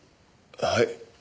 はい。